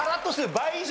倍以上。